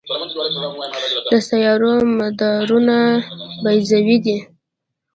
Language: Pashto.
د سیارو مدارونه بیضوي دي.